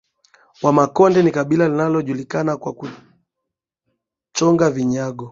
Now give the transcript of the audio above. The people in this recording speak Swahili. Wamakonde ni kabila inalojulikana kwa kuchonga vinyago